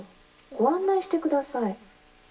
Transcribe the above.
ご案内してください。